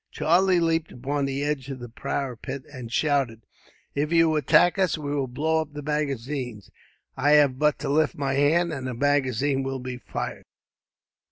Charlie leaped upon the edge of the parapet, and shouted: "If you attack us, we will blow up the magazine. I have but to lift my hand, and the magazine will be fired."